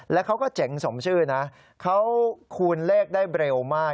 แล้วเขาก็เจ๋งสมชื่อนะเขาคูณเลขได้เร็วมาก